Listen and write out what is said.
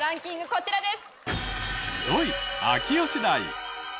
こちらです。